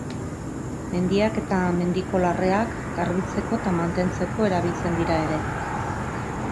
Mendiak eta mendiko larreak garbitzeko eta mantentzeko erabiltzen dira ere.